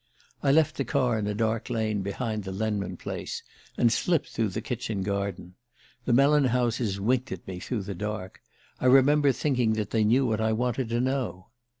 "I left the car in a dark lane behind the Lenman place, and slipped through the kitchen garden. The melon houses winked at me through the dark I remember thinking that they knew what I wanted to know.